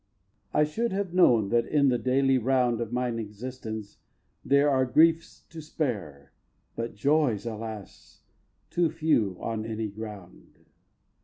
I should have known that in the daily round Of mine existence, there are griefs to spare, But joys, alas! too few on any ground.